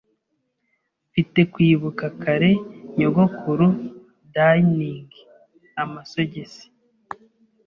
Mfite kwibuka kare nyogokuru darning amasogisi.